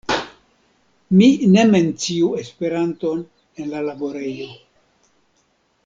Mi ne menciu Esperanton en la laborejo.